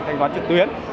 thanh toán trực tuyến